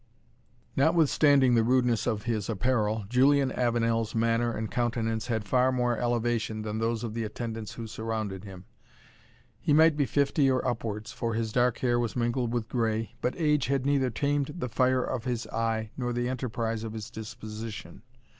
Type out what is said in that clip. Notwithstanding the rudeness of his apparel, Julian Avenel's manner and countenance had far more elevation than those of the attendants who surrounded him. He might be fifty or upwards, for his dark hair was mingled with gray, but age had neither tamed the fire of his eye nor the enterprise of his disposition.